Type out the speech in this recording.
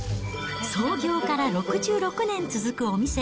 創業から６６年続くお店。